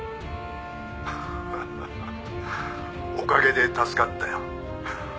ハハハおかげで助かったよ。